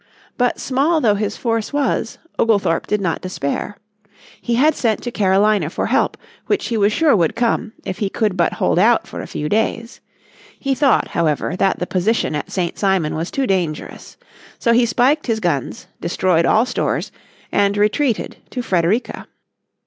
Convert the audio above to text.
But small though his force was Oglethorpe did not despair. He had sent to Carolina for help which he was sure would come if he could but hold out for a few days. He thought, however, that the position at St. Simon was too dangerous. So he spiked his guns, destroyed all stores, and retreated to Frederica.